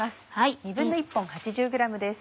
１／２本８０ｇです。